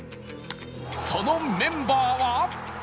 そのメンバーは